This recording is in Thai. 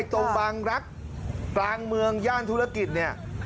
ตรงบางรักกลางเมืองย่านธุรกิจเนี่ย